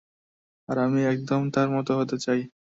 আর আমি একদম তার মত হতে চাই।